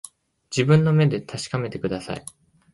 自分の目で確かめてください